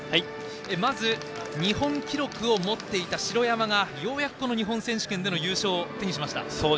まず日本記録を持っていた城山がようやく日本選手権での優勝を手にしました。